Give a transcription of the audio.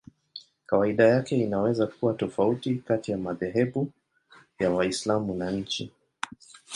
Kawaida yake inaweza kuwa tofauti kati ya madhehebu ya Waislamu na nchi.